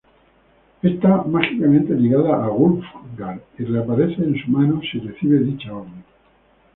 Está mágicamente ligada a Wulfgar y reaparece en su mano si recibe dicha orden.